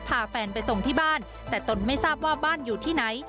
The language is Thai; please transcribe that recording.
พาแฟนไปส่งที่บ้านแต่ตนไม่ทราบว่าบ้านอยู่ที่ไหน